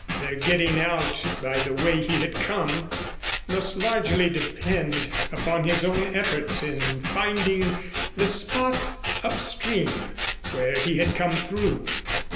Their getting out by the way he had come must largely depend upon his own efforts in finding the spot up stream where he had come through.